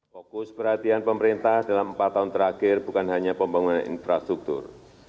fokus perhatian pemerintah dalam empat tahun terakhir bukan hanya pembangunan infrastruktur